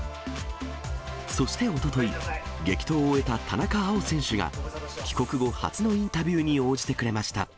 そしておととい、激闘を終えた田中碧選手が、帰国後初のインタビューに応じてくれました。